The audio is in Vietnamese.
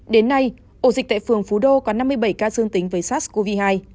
đến nay ổ dịch tại phường phú đô có năm mươi bảy ca dương tính với sars cov hai